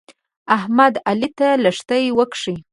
احمد؛ علي ته لښتې وکښې.